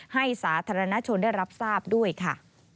สาธารณชนได้รับทราบด้วยค่ะ